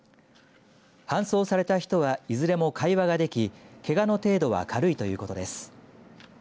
搬送された人はいずれも会話ができけがの程度は軽いということです。